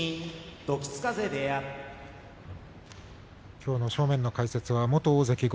きょうの正面の解説は元大関豪